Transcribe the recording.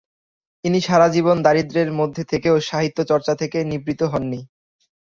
ইনি সারাজীবন দারিদ্র্যের মধ্যে থেকেও সাহিত্য চর্চা থেকে নিবৃত্ত হন নি।